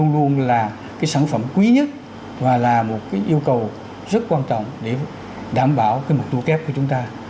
là cái sản phẩm quý nhất và là một cái yêu cầu rất quan trọng để đảm bảo cái mục đô kép của chúng ta